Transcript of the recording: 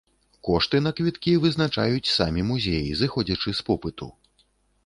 Кошты на квіткі вызначаюць самі музеі, зыходзячы з попыту.